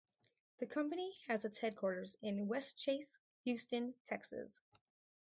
The company has its headquarters in Westchase, Houston, Texas.